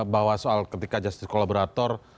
bahwa soal ketika justice kolaborator